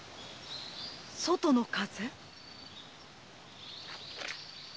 「外の風」？